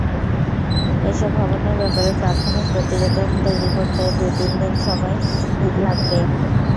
এসব ভবনের ব্যাপারে প্রাথমিক প্রতিবেদন তৈরি করতে দু-তিন দিন সময় লাগবে।